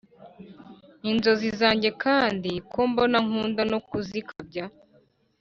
Inzozi zanjye kandi mbona nkunda no kuzikabya